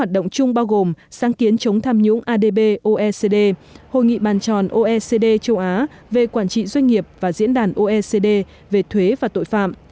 hoạt động chung bao gồm sáng kiến chống tham nhũng adboecd hội nghị bàn tròn oecd châu á về quản trị doanh nghiệp và diễn đàn oecd về thuế và tội phạm